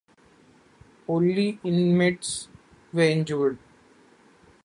Only inmates were injured.